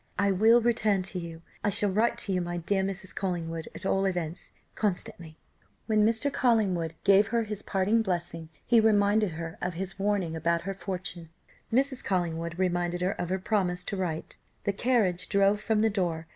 I will return to you, I shall write to you, my dear Mrs. Collingwood, at all events, constantly." When Mr. Collingwood gave her his parting blessing he reminded her of his warning about her fortune. Mrs. Collingwood reminded her of her promise to write. The carriage drove from the door.